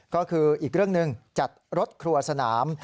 ก็คืออีกเรื่องหนึ่งจัดรถครัวสนาม